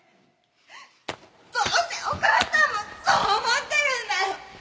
どうせお義母さんもそう思ってるんだよ。